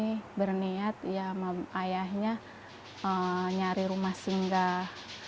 kami berniat ya sama ayahnya nyari rumah singgah